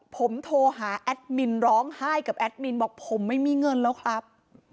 ผมโทรหาแอดมินร้องไห้กับแอดมินบอกผมไม่มีเงินแล้วครับ